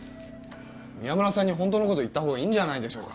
宮村さんに本当のことを言った方がいいんじゃないですか